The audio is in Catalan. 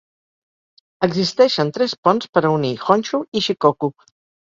Existeixen tres ponts per a unir Honshu i Shikoku.